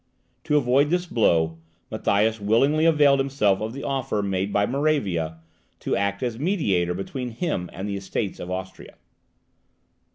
To avoid this blow, Matthias willingly availed himself of the offer made by Moravia, to act as mediator between him and the Estates of Austria.